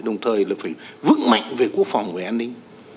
chúng ta phải vững mạnh về quốc phòng về an ninh